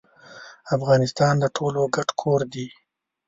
افغانستان د ټولو ګډ کور دي.